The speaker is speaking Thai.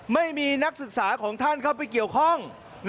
ไม่มีนักศึกษาของท่านเข้าไปเกี่ยวข้อง